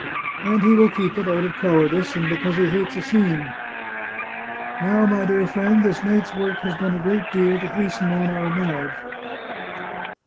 " And he will keep it, out of cowardice, and because he hates a scene." " Now, my dear friend, this night's work has done a great deal to hasten on our marriage.